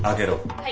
はい。